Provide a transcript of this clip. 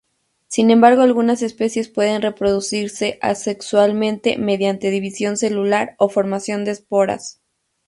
Sin embargo, algunas especies pueden reproducirse asexualmente, mediante división celular o formación de esporas.